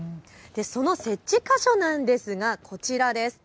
その設置箇所ですがこちらです。